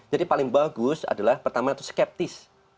jadi paling bagus adalah pertama itu skeptis